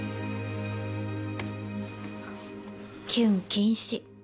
キュン禁止